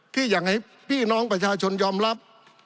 ที่อยากให้พี่น้องประชาชนยอมรับ